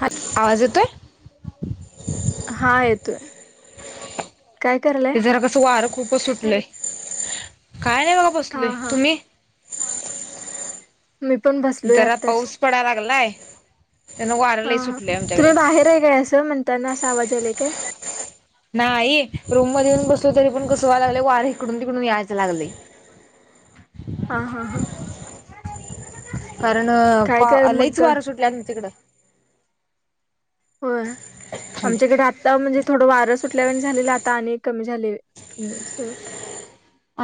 हा आवाज येतोय. हा येतोय. काय करालाय ते जरा कस वार खूप सुटलय काय नाही बघा हा बसलोय हा तुम्ही. मी पण बसलोय जरा आत्ताच पाऊस पडा लागलाय. त्यानं वारं हा लय हा सुटलंय आमच्याकडं तुम्ही बाहेर हाय काय असं म्हणताना असा आवाज यालय काय. नाही रूम मध्ये येऊन बसलो तरी पण कसं व्हाय लागलं वार इिकडून तिकडून यायचं लागले. हा हा हा. कारण अ काय वा कर लहीच मग वारं सुटल्या आमच्या तिकडं. हो आमच्याकडे आता म्हणजे थोड वार र सुटल्या वणी झाले आता आणि कमी झाले.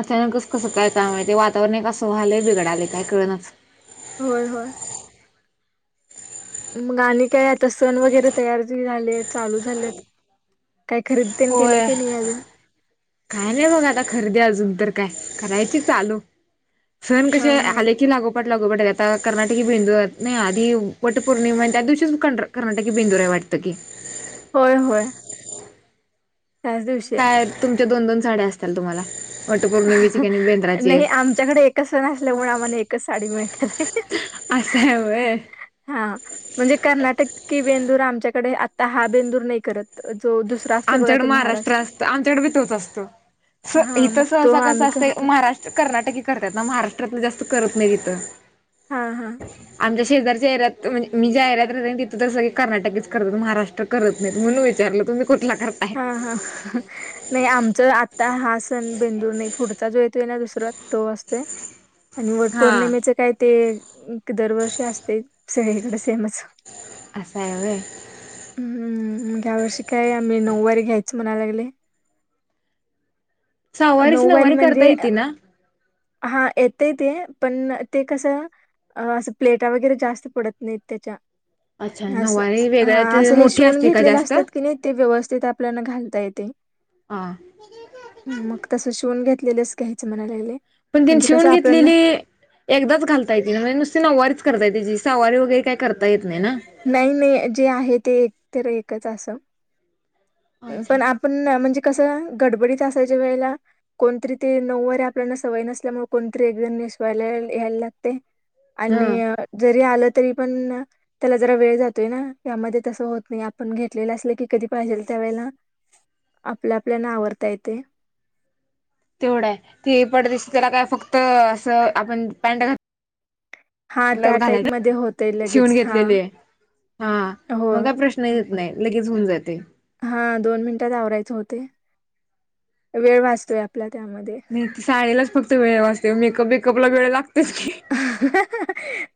अचानकच कसं कस काय का ते वातावरण अससं व्हालंय बिघडाले काय कळणच. होय होय. मग आणि काय आता सण वगैरे तयार झाले आहेत चालू झालेत. काय खरेदी तेन केलंय होय की नाही अजून काय नाही बघ आता खरेदी अजून तर काय. करायचे चालू सण कश हा हा आले की लागो पट. लागोपाट आता कर्नाटकी बेंदूर नाही आधी वट पौर्णिमा आणि त्या दिवशी कर् कर्नाटीकी बिंदूर आहे वाटते. त की. होय होय. त्याच दिवशी हाय. त दोन दोन साड्या असत्याल तुम्हाला. वटपौर्णिमेची हाह की नाही बेंद्राची नाही एक आमच्याकडे एकच सण असल्यामुळे आम्हाला एकच साडी मिळणार आहे. हह हह हह. अस हाय व्हय. हा म्हणजे कर्नाटक बेंदूर आमच्याकडे आता हा बेंदूर नाही करत. जो दुसरा असते बघा आमच्याकड ते महाराष्ट्र असत आमच्याकडे बी तोच असतो स हे हा मग तस तो अस. कस आम्ही असत करतो महाराष्ट्र कर्नाटक करतात ना महाराष्ट्रातलं जास्त करत नाही तिथं. हा हा. आमच्या शेजारच्या एरियात म्हणजे मी जा एरियात राहते तिथं तर सगळे कर्नाटकीच करतात महाराष्ट्र करत नाही म्हणून विचारलं तुम् हा हा नाही आमच आता हा सण बेंदूर नाही, पुढचा जो येतो आहे ना दुस रा तो असतोय आणि वट हा पौर्णिमेच काय ते. दरवर्षी असते सगळीकडे. तेनच, असं आहे व्हय हम्म ह्या वर्षी काय मी नऊवारी घ्यायच म्हणाय लागले. सहावारीची नऊवारी करता म्हणजे? येते ना? हा येतय ते पण ते कसं. अ असं प्लेटा वगैरे जास्त पडत नाहीत त्याच्या. अच्छा अस नऊवारी हा वेगळ्यात असं हे मोठी शिवून असते का घेतलेले जास्त? असतात की नाही ते व्यवस्थित आप आपल्याना घालता येते. हा. मग तसं शिवून घेतलेलंच घ्यायचं म्हणाला लागले. पण तिने म्हणजे कसं शिवून आपण घेतलेली एकदाच घालतायेते माझी नुसती नववारीच. करताय. त्याची सवारी वगैरे काय करता येत नाही ना. नाही नाही जे आहे ते एक तर एकच अस. अच्छा. पण आपण म्हणजे कसं. गडबडीत असायच्या वेळेला कोणतरी ते नऊ वरे आपल्याला सवय नसल्यामुळे कोणतरी एक जण नेसवायला. यायला लागतय हा आणि जरी आलं तरी पण- त्याला जरा वेळ जातोय ना यामध्ये तसं होत, नाही आपण घेतलेलं असल की, कधी पाहिजेल त्यावेळेला. आपल्या आपल्याना आवरता येतेयं. तेवढाय ती पटदिशी त्याला काय फक्त असं आपण पॅन्ट घात हा लग. त्या घालाय टाईपमध्ये होतंय शिवून लगेच हा घेतलेली. हा हो मग काय प्रश्नचं येत नाही. लगेच होऊन जातंय. हा दोन मिनटात आवरायचे होतंय. वेळ वाचतोय आपल्यात. नाही ते साडीलाच फक्त वेळ वाजतयं मेकअप वेकअप ला वेळ लागतेच की.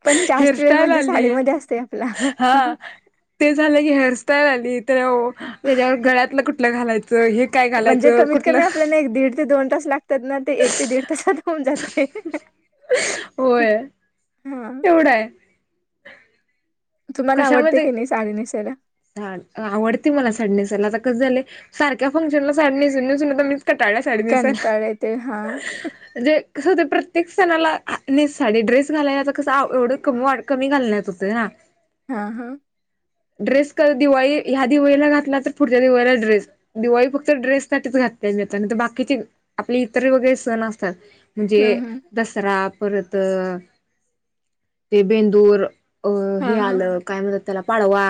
पण जास्त वेळ हेअरस्टाईल म्हणजे आलीय साडीमध्ये असतोय आपला हा ते झालं की, हेअ त आलीय ते ओ. त्याच्यावर गळ्यातलं कुठलं घालायचं हे काय म्हणजे घालायचं कमीत कुठलं. कमी आपल्याला एक दीड ते दोन तास लागतात ना ते एक ते दीड तासात होऊन जातयं. होय एवढा आहे. तुम्हाला आवडते कशामध्ये की नाही साडी नेसायला [unintelligible] आवडते मला साडी नेसायला आता कस झालं. सारख्या फंक्शन ला साडी नेसून, नेसून मीचं कटाळ्या साडी नेसायला कंटाळा येते. हां, म्हणजे कसं होते प्रत्येक सणाला हा नेस साडी. ड्रेस घालायला तर कस एवढं क-कमी घालण्यात होते ना. हा ह ड्रेस दिवाळी ह्या दिवाळीला घातला तर पुढच्या दिवाळीला ड्रेस दिवाळी फक्त ड्रेस साठी. बाकीचे आपले इतर वगैरे सण असतात. म्हणजे हं, हं. दसरा परत ते बेंदूर. अ हे.. हां, हां. आलं काय म्हणतात त्याला पाडवा.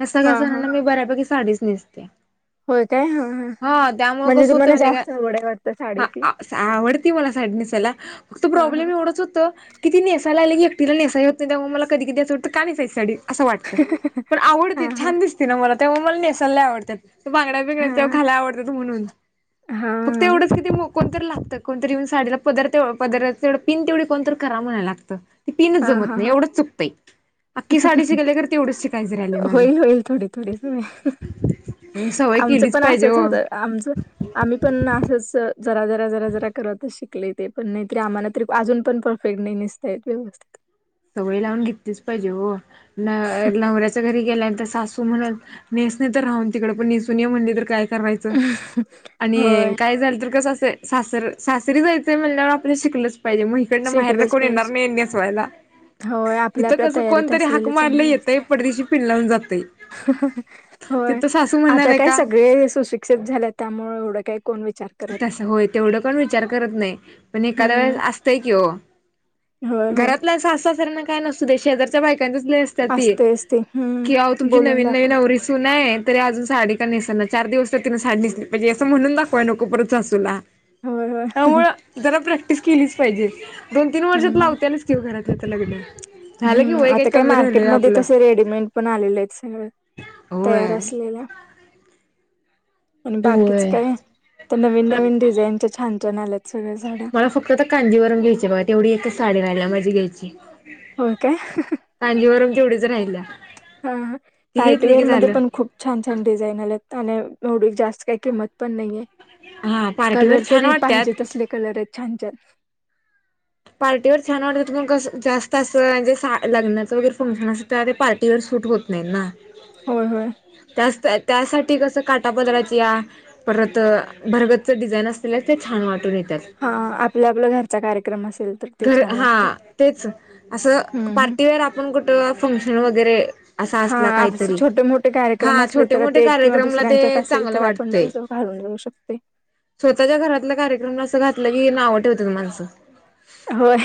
या सगळ्या हां, हां. सणांना मी बऱ्यापैकी साडीच नेसते. होय काय? हां, हां. हा त्यामुळे म्हणजे कस होत तुम्हाला माहितीयं का जास्त आवड आहे वाटतं हा साडीची? आ सा आवडत. येती मला साडी नेसायला. फक्त हां, प्रॉब्लेम हां. एवढंच होतो. कि नेसायलाले की, एकटीला नेसायाला येत नाही. ते मला कधी, कधी वाटतं का नेसायची साडी. असं वाटतं. पण आवडती हां, हां. छान दिसते ना मला तेव्हा मला नेसालला आवडतात. त बांगड्या, बिगड्या तेव्हा हां. खायला आवडतात, म्हणून हां, फक्त हां. एवढंच कि ती मो कोणतरी लागतं. कोणतरी येऊन साडीला पदरं पदराला चं पिन तेवढी कोणतरी करावं लागतं. ते पिनं चं जमत नाही. एवढंच चुकतयं. हम हम होईल माझं होईल थोडी थोडी सवय. सवय आमचं केलीच पण पाहिजे असंच ओ. होतं. आमच आम्ही पण असंच जरा जरा जरा जरा करतच शिकले. ते पण नाहीतरी आम्हाला तरी अजून पण परफेक्ट नाही. नेसता येत व्यवस्थित. सवय लावून घेतलीच पाहिजे ओ. ना नवऱ्यांची घरी. गेल्यानंतर सासू म्हणलं नेसणे तर राहून तिकड, पण नेसून ये म्हणली तर काय रायच आणि होय. काय झाल तर कस- ते सासर सासरी जायचं म्हणल्यावर आपण शिकलच. पाहिजे मग इकडनं माहेरन कोण येणार नाही नेसवायला. हो आपल्या इथं आपल्या कसं तयारीत कोणतरी हाक असलेलं मारलं चांगलं असत. येतंय पडदेशी पिन लावून जातंय हं ह ह होय तिथं सासू म्हणणार आता आहे काय का सगळे सुशिक्षित झाले त्यामुळे. काही कोण विचार करत तस होय तेवढं पण विचार करत नाही. पण एखाद्या वेळेस हम्म. असतं. की ओ होय होय घरातल्या सासू सासर्यांचा नसूदे शेजाऱ्यचा बायका. त्यांचं चं लय असतेती. असतेच ते आवो अ हम्म तुमची बोलून नवीन नवीन दाखवत नवरी सून आहे. तरी अजून साडी का नसेना. चार दिवस तिने साडी नेसली पाजे. असं म्हणून. दाखवाय नको परत सासूला होय होय त्यामुळ जरा प्रॅक्टिस केलीच पाहिजे. दोन तीन वर्षात हम्म. लावत्यालीच की घरातली आता लग्न. झालं की हम्म वय काही आता काय कमी राहिलय मार्केटमध्ये आपलं तस रेडीमेड पण आलेलं आहेत सगळं होय तयार असलेल्या आणि बाकीच काय? तर नवीन म नवीन डिझाईनच्या छान छान आल्यात सगळ्या साड्या मला फक्त कांदीवरून घ्यायची बघ तेवढी एक. व्हायला मजी घ्यायची. होओ काे. तेवढेच राहिल्या. हा ती घेतली पार्टीवेअर की मध्ये झालं पण खूप छान छान डिझाईन आल्या. आणि एवढ जास्त काही किंमत पण नाहीये. हा पार्टीवर कलर छान तरी पाहिजे वाटत्यात तसले कलर आहेत छान छान. पार्टीवर छान वाटतु जास्त असं म्हणे लग्नाचं वगैरे फंक्शन अस त्या ते पार्टीवर सुट होत नाही ना. हो हो त्याच त्यासाठी कसं काटापदराची या परत भरगतच डिझाईन असलेल्या ते छान वाटून येत. हा आपल्या आपल्या घरचा कार्यक्रम असेल. तर ते घर छान हा वाटते. तेच असं हम्म हम्म. पार्टीवेअर आपण कुठं फंक्शन वगैरे असा हा असला अस काहीतरी छोटे मोठे कार्यक्रम हा असले छोटे तर मोठे ते एक किंवा कार्यक्रमला ते दुसऱ्यांच्यात असेल चांगलं तर आपण वाटतंय तस घालून. शकते. स्वतःच्या घरातला कार्यक्रम असं घातलं की ना आव ठेवत माणसं. होय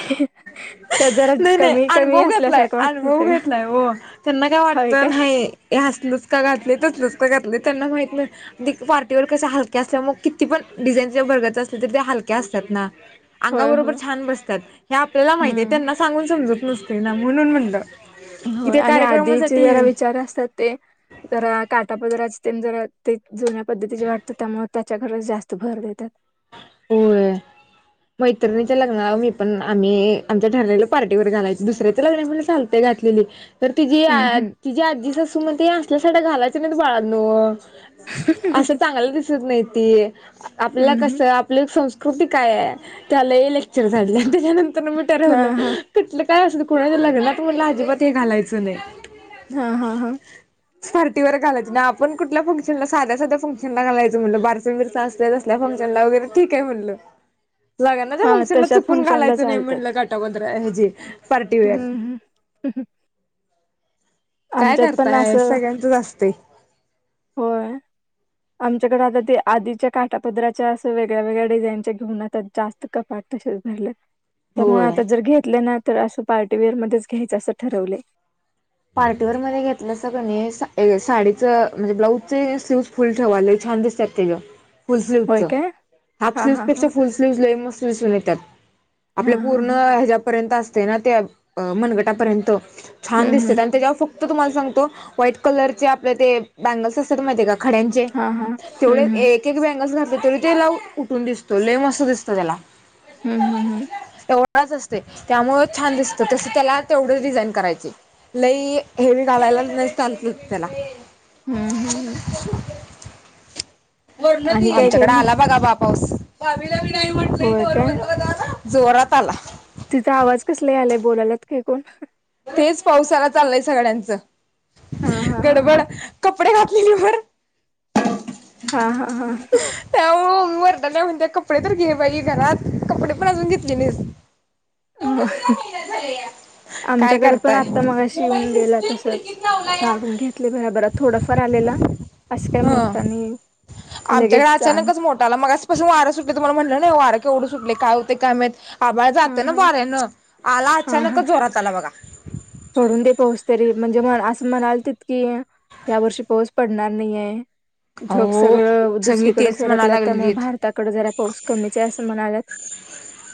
त्यात जरा नाही नाही कमी कमी अनुभव घेतलाय असल्यासारखं वाटतंय अनुभव सगळं घेतलाय हो. त्यांना काय होय वाटतं काय नाही हस नुसका घातले तरच नुसकं घातले. त्यांना माहित नाही ते पार्टीवर कसे हलक्या असल्या मग किती पण डिझाईन ज बगायच अस तर ते त्या हलक्या असतात. ना. अंगा होय बरोबर होय. छान बसतात हे आपल्याला माहती आहे हम्म. त्यांना सांगून समजत नसते ना म्हणून म्हणत हो आणि आधीचे जरा विचार असतात ते जरा काटापदरा ते जरा ते जुन्या पद्धतीचे वाटतं त्यामुळे त्याच्या घरच जास्त भर देतात. होय. [unintelligible] मैत्रिणीच्या लग्नाला मी पण आम्ही आमच्या ठरलेलं पार्टीवर घालायच दुसऱ्याच लग्नने मला चालते घात. ली तर तिी हम्म हम्म. तिी आजी स असू म्हण असल्या सा घालायच्या नाही बाळांन असं चांगलं दिसत नाहीती आपला हम्म हम्म कस आपलं संस् कृती काय त्याला हे लेक्चर झाडले आणि त्याच्यानंतर मी हा ठरवलं हा कट. काय अस कोणाच लग् ना तु मला अजिबात हे घालायचं नाही. हा हा हा पार्टीवर घायच नाही आपण कुठल्या फंक्शन साध्या साध्या फंक्शनला घालायचं म्हटलं बार मिरसा असल्या तसल्या फंक्श वगैरे ठीक आहे म्हणलं लग्यांना हा मंगला तशा चुकून फंक्शनला घालायचं नाही म्हणलं चालतात काटा ह जे. हम्म हम्. काय करताय सगळ्यांच जा असते. हो. आमच्याकडे आता ते आधीच्या काटापद्रच्या असं वेगळ्या वेगळ्या डिझाईनच्या घेऊन आतात जास्त कपाट तशच झाल्या. त्यामुळे होय आता जर घेतलं ना तर असं पार्टीवेअर मध्येच घ्यायचं असं ठरवले. पार्टीवेअर मध्ये घेतलं सगणी साडीच म्हणजे ब्लाऊजचे स्लीव फुल ठेवालेय खंदसतव. फुल स्लीव्हच होय काय हाफ हा हा हा स्लीवपेक्षा फुल स्लीव ल मस्त विसून येतात. हा आपल्या हा हा पूर्ण ह्याच्यापर्यंत असते ना त्या मनगटापर्यंत छान हम्म दिसते हम्म. आणि त्याच्यावर फक्त तुम्हाला सगतो व्हाईट कलरचे आपल्या बँगल्स अस माहि का? खड्यांचे हा हा हम्म तेवढे हम्म एक एक बँगल घातले तरी तेला उठून दिसतो लेय मस्त दिसतंय त्याला हम्म हम्म हम्म. तेवढाच असते त्यामुळे छान दिसतं तसं त्याला तेवढेच डिझाईन करायचे. लई हेवी घालायला नाही स [unintelligible] त्याला हम्म हम्म हम्म. आणि काय काय आमच्याकडे मग आला बघा बा पाऊस. होय काय. जोरात आला. तिचा आवाज कसला आलाय बोलायलात काय कोण? तेच पावसाला चाललंय सगळ्यांच हा हा हा गडबड कपडे घातलेली वर हा हा हा. वरडली म्हणते कपडे तर घे बाई घरात कपडे पण अजून घेतले नाहीस हो तेवढंच मेहनत झालीया आमच्याकडे पण आता मगाशी येऊन गेला तसाच काढून घेतले भराभरा थोडफार आलेला अससं काय हा मोठा नाही. आमच्याकडे अचानकच मोठा आला मगाशी पासून वारं सुटे तुम्हाला म्हटलं ना वारं केवढं सुटले काय होते काय माहित आबाळ हा जात ना हा वाऱ्याने आला हा अचानक हा जोरात आला बघा पडून ते पाऊस तरी म्हणजे म असं म्हणायलीत कि या वर्षी पाऊस पडणार नाहीये ढग अहो सगळं सगळी दुसरीकडे तेच म्हणा सरकलं त्यामुळे लागलेलीत. भारताकडे जरा पाऊस कमीच असं म्हणाल्यात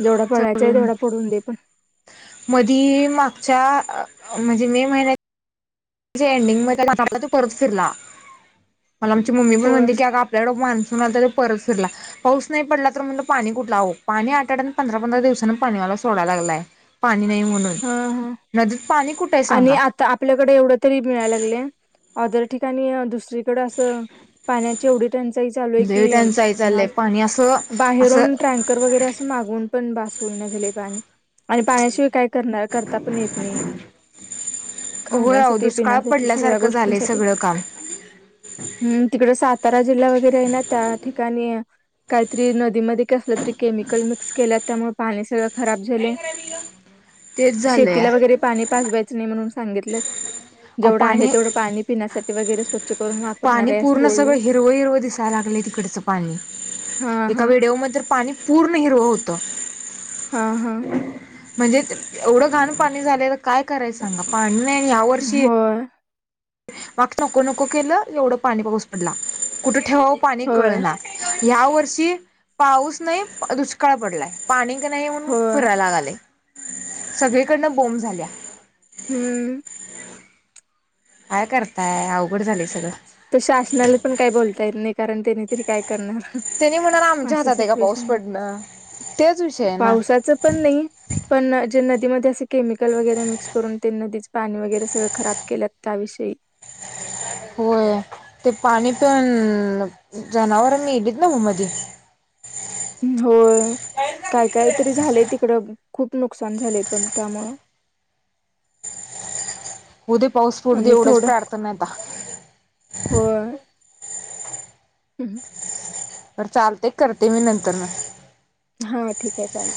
जेवढा पडायचंय तेवढा पडून दे पण मधी मागच्या म्हणजे मे महिन्यात ते ऐडिंग मध्ये आला तो परत फिरला मला आमची मम्मी होय म्हणली कि ग आपल्याकडे मान्सून आलं तर परत फिरला पाऊस नाही पडला तर म्हणलं पाणी कुठला हव पाणी आठवड्याने पंधरा पंधरा दिवसाने पाणीवाला सोडायला लाय पाणी नाही म्हणून हा हा नदीत पाणी कुठे आहे आणि सांगा आता आपल्याकडे एवढं तरी मिळायला लागलय ओदर ठिकाणी दुसरी कड असं पाण्याची एवढी टंचाई चालू आहे लय की टंचाई हा चाललंय पाणी असं असं बाहेरून टँकर वगैरे असं मागून पण बास होईना झाले पाणी आणि पाण्याशिवाय काय न करता पण येत नाही होय अहो खाण्यासाठी दुष्काळ पिण्यासाठी सगळ्या पडल्यासारखं झालंय गोष्टींसाठी सगळं काम हम्म तिकडं सातारा जिल्हा वगैरे आहे ना त्या ठिकाणी काहीतरी नदीमध्ये का असलं तरी केमिकल मिक्स केल्या त्यामुळे पाणी सगळं खराब झाले तेच झालंय शेतीला वगैरे पाणी पाजवायचं नाही म्हणून सांगितलेत अहो जेवढं आहे पाणी तेवढं पाणी पिण्यासाठी वगैरे स्वच्छ करून वापरणार आहे असं बोललं तिकडंच पाणी हा एका हा व्हिडिओमध्ये पाणी पूर्ण हिरव होतं. हा हा. म्हणजे एवढं घाण पाणी झालं तर काय करायचं सांगा पाणी नाही हया वर्षी होय मग नको नको केलं एवढं पाणी पाऊस पडला कुठे ठेवावं पाणी कळ होय ना ह्या वर्षी पाऊस नाही दुष्काळ पडलाय पाणी नाही ऊन होय फरायला गले सगळीकडन बो झाल्याय हम्म. काय करताय अवघड झालेय सगळं त शासनाला पण काही बोलता येत नाही कारण त्यांनी तरी काय करणार त्यानी म्हणाला आमच्या असं हातात आहे का पाऊस सिच्युएशनला पडणं तेच विषय आहे ना पावसाच पण नाही पण जे नदी नदीमध्ये असे केमिकल वगैरे मिक्स करून ते नदीच पाणी वगैरे सगळं खराब केलं त्याविषयी [inaudible] ते पाणी पण जनावरांनी येलेत ना मध्ये हो काय काय तरी झालंय तिकडं खूप नुकसान झाले पण त्यामुळं उद्या पाऊस पडु दे आणि एवढंच थोडं प्रार्थना आता हम् चालते करते मी नंतर हा ठीक आहे चालेल